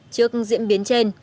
trước diễn biến trên